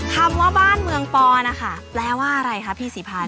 คำว่าบ้านเมืองปอนะคะแปลว่าอะไรคะพี่ศรีภัย